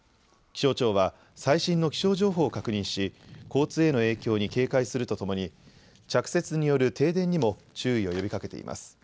気象庁は、最新の気象情報を確認し、交通への影響に警戒するとともに、着雪による停電にも注意を呼びかけています。